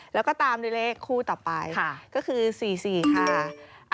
แล้วก็ตามด้วยเลขคู่ต่อไปก็คือ๔๔ค่ะ